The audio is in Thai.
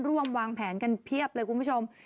ร่วมวางแผนกันเพียบเลยคุณผู้ชม